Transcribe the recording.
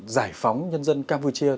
giải phóng nhân dân campuchia